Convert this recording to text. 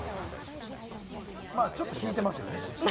ちょっと引いてますよね。